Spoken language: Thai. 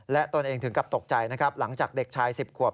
และตัวเองถึงกับตกใจหลังจากเด็กชาย๑๐ขวบ